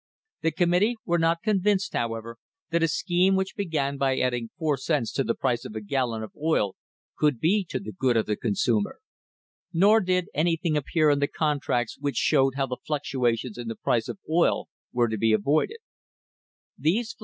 f The committee were not convinced, however, that a scheme which began by adding four cents to the price of a gallon of oil could be to the good of the consumer. Nor did any thing appear in the contracts which showed how the fluctua tions in the price of oil were to be avoided. These fluctuations' *See Appendix, Number 11.